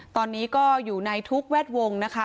ตอนนี้ก็อยู่ในทุกแวดวงนะคะ